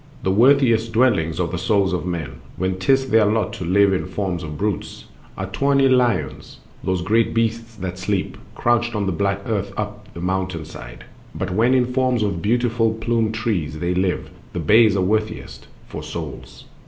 The worthiest dwellings for the souls of men, When 'tis their lot to live in forms of brutes, Are tawny lions, those great beasts that sleep Couched on the black earth up the mountain side; But, when in forms of beautiful plumed trees They live, the bays are worthiest for souls.